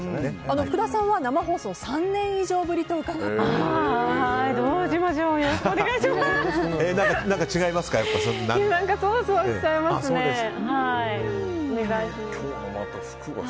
福田さんは生放送が３年以上ぶりと伺いましたが。